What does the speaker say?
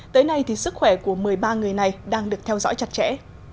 tới nay sức khỏe của một mươi ba người này đang được theo dõi chặt chẽ